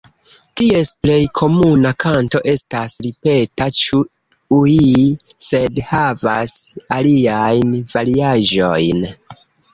Ties plej komuna kanto estas ripeta "ĉu-ŭii" sed havas aliajn variaĵojn.